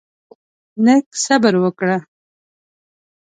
لږ صبر وکړه؛